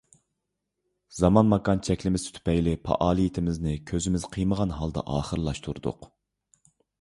زامان، ماكان چەكلىمىسى تۈپەيلى پائالىيىتىمىزنى كۆزىمىز قىيمىغان ھالدا ئاخىرلاشتۇردۇق.